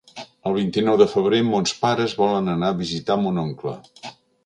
El vint-i-nou de febrer mons pares volen anar a visitar mon oncle.